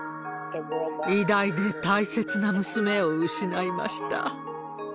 偉大で大切な娘を失いました。